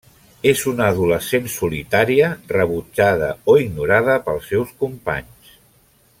És una adolescent solitària rebutjada o ignorada pels seus companys.